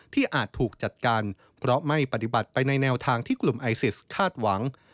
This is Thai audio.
อาจถูกจัดการเพราะไม่ปฏิบัติไปในแนวทางที่กลุ่มไอซิสคาดหวัง